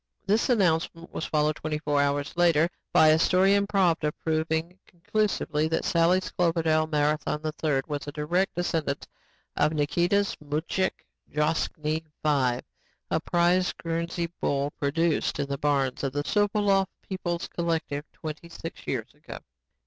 This announcement was followed twenty four hours later by a story in Pravda proving conclusively that Sally's Cloverdale Marathon III was a direct descendant of Nikita's Mujik Droshky V, a prize Guernsey bull produced in the barns of the Sopolov People's Collective twenty six years ago.